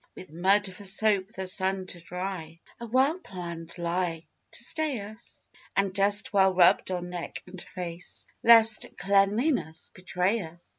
With mud for soap the sun to dry A well planned lie to stay us, And dust well rubbed on neck and face Lest cleanliness betray us.